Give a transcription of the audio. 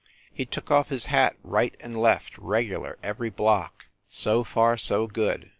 He took off his hat right and left regular, every block. So far, so good.